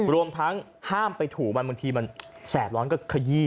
รวมทั้งห้ามไปถูมันบางทีมันแสบร้อนก็ขยี้